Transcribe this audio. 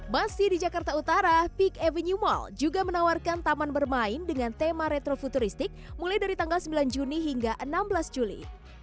masih di jakarta utara peak avenue mall juga menawarkan taman bermain dengan tema retro futuristik mulai dari tanggal sembilan juni hingga enam belas juli